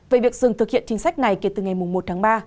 về việc dừng thực hiện chính sách này kể từ ngày một tháng ba